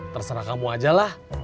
terserah kamu ajalah